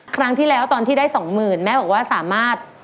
ครั้งที่แล้วตอนที่ได้สองหมื่นแม่บอกว่าสามารถ